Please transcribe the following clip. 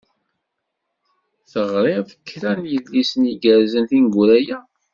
Teɣriḍ kra n yidlisen igerrzen tineggura-ya?